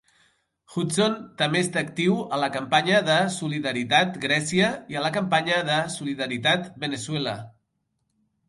Hudson també està actiu a la Campanya de solidaritat Grècia i a la Campanya de solidaritat de Veneçuela.